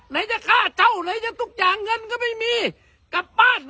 ไหนจะฆ่าเจ้าไหนจะทุกอย่างเงินก็ไม่มีกลับบ้าน